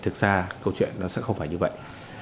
thực ra câu chuyện nó sẽ không phải như vậy